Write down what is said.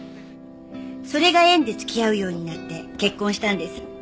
それが縁で付き合うようになって結婚したんです。